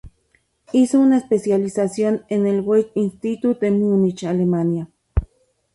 Hizo una especialización en el Goethe Institut de Múnich, Alemania.